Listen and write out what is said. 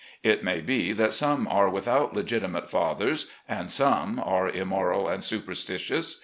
It may be that some are without legitimate fathers, and some are immoral and superstitious.